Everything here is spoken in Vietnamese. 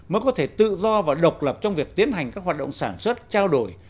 mới có thể tự do và độc lập trong việc tiến hành các hoạt động sản xuất trao đổi